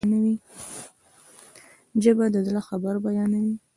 ژبه د زړه خبر بیانوي